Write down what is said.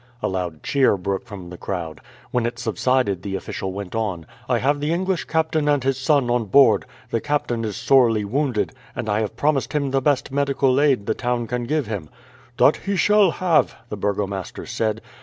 A loud cheer broke from the crowd. When it subsided the official went on: "I have the English captain and his son on board. The captain is sorely wounded, and I have promised him the best medical aid the town can give him." "That he shall have," the burgomaster said.